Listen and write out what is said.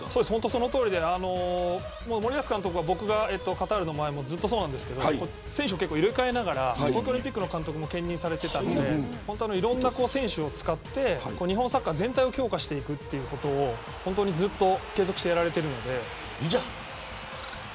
そのとおりで、森保監督はカタールの前もずっとそうなんですが選手を入れ替えながら東京オリンピックの監督も兼任されていたんでいろんな選手を使って日本サッカー全体を強化していくということを継続してやられているので。